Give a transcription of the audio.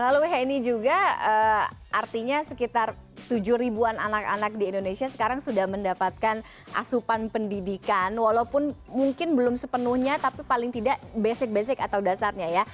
lalu henny juga artinya sekitar tujuh ribuan anak anak di indonesia sekarang sudah mendapatkan asupan pendidikan walaupun mungkin belum sepenuhnya tapi paling tidak basic basic atau dasarnya ya